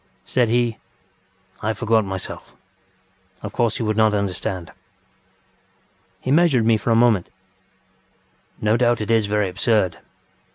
Said he: ŌĆ£I forgot myself. Of course you would not understand. ŌĆØ He measured me for a moment. ŌĆ£No doubt it is very absurd.